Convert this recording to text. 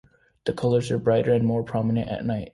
The colors are brighter and more prominent at night.